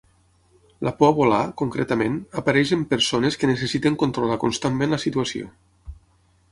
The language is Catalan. La por a volar, concretament, apareix en persones que necessiten controlar constantment la situació.